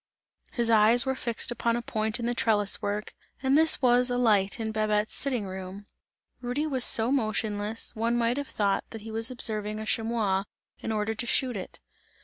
His eyes were fixed upon a point in the trellis work, and this was a light in Babette's sitting room. Rudy was so motionless, one might have thought that he was observing a chamois, in order to shoot it.